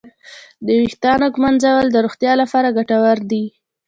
د ویښتانو ږمنځول د روغتیا لپاره ګټور دي.